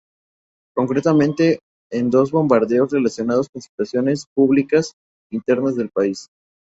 Concretamente, en dos bombardeos relacionados con situaciones políticas internas del país.